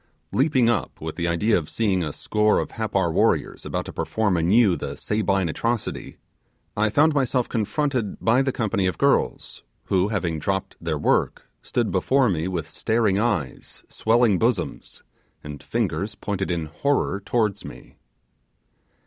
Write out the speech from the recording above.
Leaping up with the idea of seeing a score of Happar warriors about to perform anew the Sabine atrocity, I found myself confronted by the company of girls, who, having dropped their work, stood before me with starting eyes, swelling bosoms, and fingers pointed in horror towards me.